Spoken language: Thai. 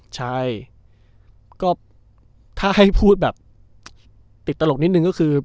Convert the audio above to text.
ใช่ก็ถ้าให้พูดแบบติดตลกนิดนึงก็คือ